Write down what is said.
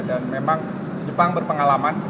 dan memang jepang berpengalaman